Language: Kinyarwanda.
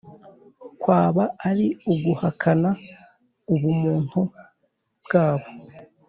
kwaba ari uguhakana ubumuntu bwabo